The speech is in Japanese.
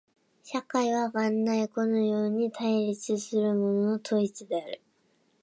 社会は元来このように対立するものの統一である。